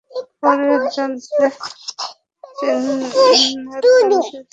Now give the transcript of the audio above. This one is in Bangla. পরে চেতনা ফিরলে তিনি নিজেকে কিশোরগঞ্জ জেনারেল হাসপাতালের শয্যায় দেখতে পান।